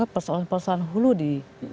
persoalan persoalan hulu di